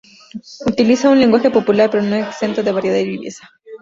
Utiliza un lenguaje popular pero no exento de variedad y viveza.